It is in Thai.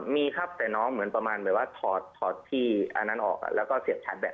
มีครับแต่น้องเหมือนประมาณแบบว่าถอดที่อันนั้นออกแล้วก็เสียบชาร์จแบต